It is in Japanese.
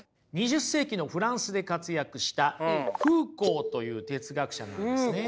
２０世紀のフランスで活躍したフーコーという哲学者なんですね。